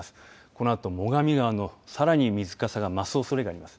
このあと最上川のさらなる水かさが増すおそれがあります。